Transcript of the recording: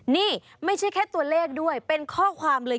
นี่ไม่ใช่แค่ตัวเลขด้วยเป็นข้อความเลย